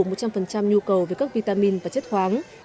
một trăm linh nhu cầu về các vitamin và chất khoáng